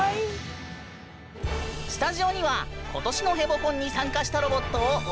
スタジオには今年のヘボコンに参加したロボットをお借りしてきたぬん。